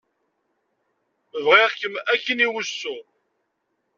Bɣiɣ-kem akkin i wussu.